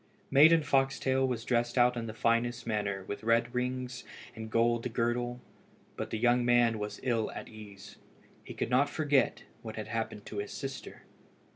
Maiden Foxtail was dressed out in the finest manner with red rings and a gold girdle, but the young man was ill at ease, and could not forget what had happened to his sister.